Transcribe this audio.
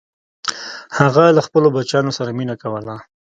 هغه له خپلو بچیانو سره مینه کوله.